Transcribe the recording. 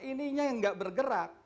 ininya yang nggak bergerak